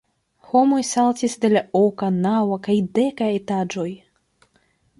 Homoj saltis de la oka, naŭa, kaj deka etaĝoj.